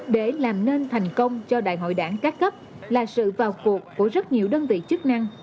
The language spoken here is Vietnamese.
để làm nên thành công cho đại hội đảng các cấp là sự vào cuộc của rất nhiều đơn vị chức năng